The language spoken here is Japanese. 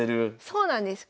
そうなんです。